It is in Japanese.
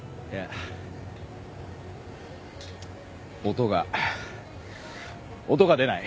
音が音が出ない。